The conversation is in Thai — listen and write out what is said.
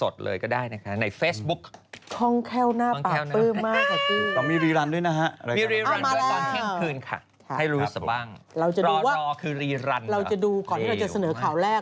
แต่มีพี่กัน